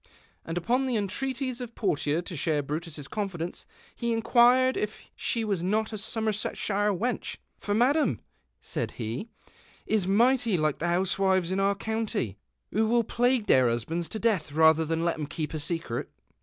"' And upon the entreaties of Portia to share lirutuss eonfidenee he inquired if she was not a Somersetshire weneh. "" For Madam," said he, " is might} like the housewives in our county, who will plague their husbands to death rather than let "em keeji a seeret."